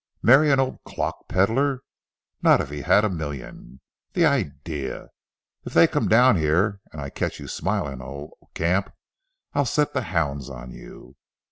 Marry an old clock peddler?—not if he had a million! The idea! If they come down here and I catch you smiling on old Camp, I'll set the hounds on you.